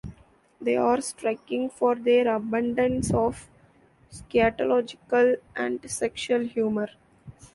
They are striking for their abundance of scatological and sexual humor.